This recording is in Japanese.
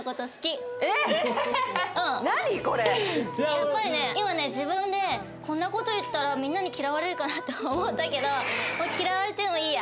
やっぱりね今ね自分でこんな事言ったらみんなに嫌われるかなと思ったけどもう嫌われてもいいや。